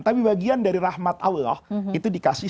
tapi bagian dari rahmat allah itu dikasih sembilan puluh sembilan